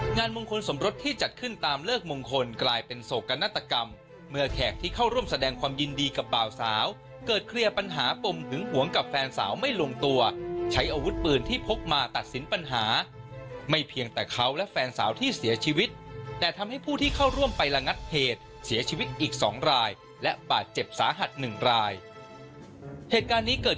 งานมงคลสมรสที่จัดขึ้นตามเลิกมงคลกลายเป็นโศกนาฏกรรมเมื่อแขกที่เข้าร่วมแสดงความยินดีกับบ่าวสาวเกิดเคลียร์ปัญหาปมหึงหวงกับแฟนสาวไม่ลงตัวใช้อาวุธปืนที่พกมาตัดสินปัญหาไม่เพียงแต่เขาและแฟนสาวที่เสียชีวิตแต่ทำให้ผู้ที่เข้าร่วมไประงับเหตุเสียชีวิตอีกสองรายและบาดเจ็บสาหัสหนึ่งรายเหตุการณ์นี้เกิด